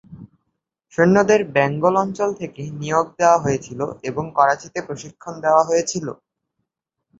সৈন্যদের বেঙ্গল অঞ্চল থেকে নিয়োগ দেওয়া হয়েছিল এবং করাচিতে প্রশিক্ষণ দেওয়া হয়েছিল।